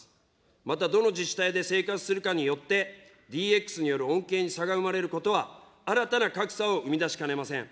また、どの自治体で生活するかによって、ＤＸによる恩恵に差が生まれることは、新たな格差を生み出しかねません。